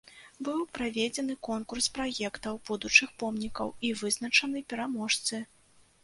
Быў праведзены конкурс праектаў будучых помнікаў і вызначаны пераможцы.